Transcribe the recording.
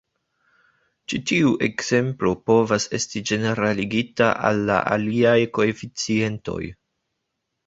Ĉi tiu ekzemplo povas esti ĝeneraligita al la aliaj koeficientoj.